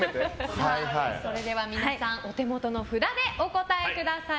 では皆さん、お手元の札でお答えください。